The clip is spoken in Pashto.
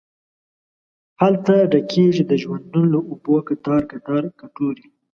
هلته ډکیږې د ژوندون له اوبو کتار، کتار کټوري